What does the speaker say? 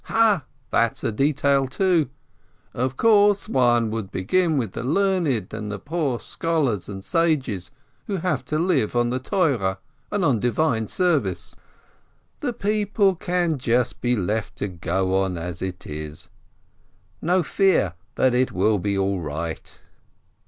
Ha, that's a detail, too. Of course, one would begin with the learned and the poor scholars and sages, who have to live on the Torah and on Divine Service. The people can just be left to go on as it is. No fear, but it will be all right